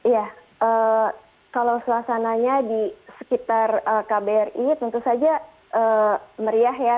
ya kalau suasananya di sekitar kbri tentu saja meriah ya